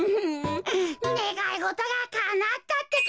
ねがいごとがかなったってか！